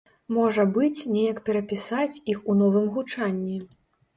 Можа быць, неяк перапісаць іх у новым гучанні.